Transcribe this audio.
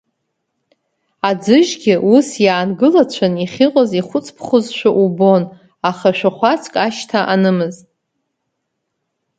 Аӡыжьгьы, ус иаангылацәан иахьыҟаз, ихәыҵԥхозшәа убон, аха шәахәацк ашьҭа анымызт.